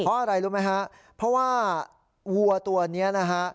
เพราะอะไรรู้ไหมฮะเพราะว่าวัวตัวนี้นะฮะ